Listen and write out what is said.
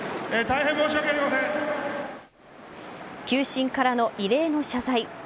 球審からの異例の謝罪。